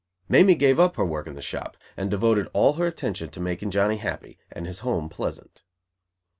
Mamie gave up her work in the shop, and devoted all her attention to making Johnny happy and his home pleasant.